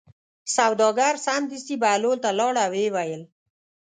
سوداګر سمدستي بهلول ته لاړ او ویې ویل.